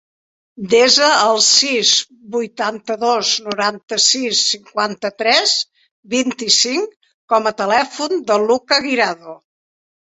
Desa el sis, vuitanta-dos, noranta-sis, cinquanta-tres, vint-i-cinc com a telèfon del Lucca Guirado.